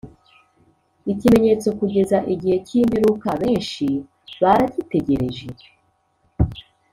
Ikimenyetso kugeza igihe cy imperuka benshi baragitegereje